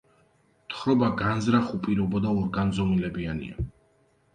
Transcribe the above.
თხრობა განზრახ უპირობო და ორგანზომილებიანია.